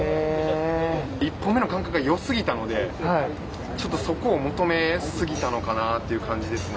１本目の感覚がよすぎたのでちょっと求めすぎたのかなという感じですね。